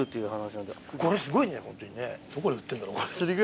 どこで売ってんだろうこれ。